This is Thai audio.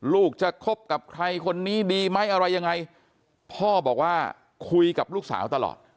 ลูกจะคบกับใครคนนี้ดีไหมอะไรยังไงพ่อบอกว่าคุยกับลูกสาวตลอด